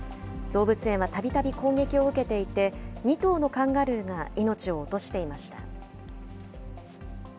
動物園はたびたび攻撃を受けていて、２頭のカンガルーが命を落としていました。